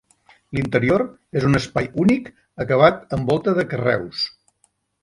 L'interior és un espai únic acabat en volta de carreus.